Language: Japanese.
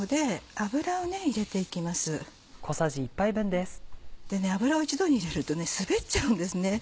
油を一度に入れると滑っちゃうんですね。